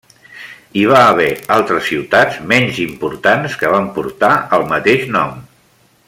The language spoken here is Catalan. Hi va haver altres ciutats menys importants que van portar el mateix nom.